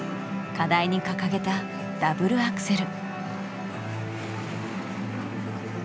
課題に掲げたダブルアクセル。